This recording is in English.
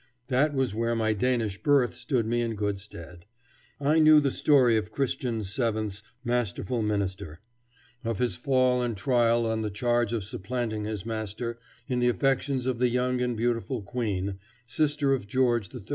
That was where my Danish birth stood me in good stead. I knew the story of Christian VII.'s masterful minister; of his fall and trial on the charge of supplanting his master in the affections of the young and beautiful Queen, sister of George III.